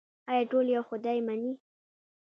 آیا ټول یو خدای مني؟